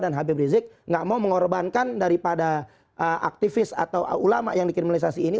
dan habib rizik nggak mau mengorbankan daripada aktivis atau ulama yang dikriminalisasi ini